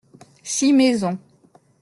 Six maisons.